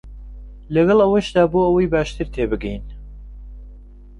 لەگەڵ ئەوەشدا بۆ ئەوەی باشتر تێبگەین